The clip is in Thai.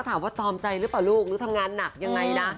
ถามว่าตอมใจหรือเปล่าลูกหรือทำงานหนักยังไงนะ